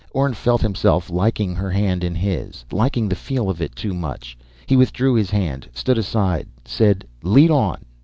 Orne felt himself liking her hand in his liking the feel of it too much. He withdrew his hand, stood aside, said: "Lead on."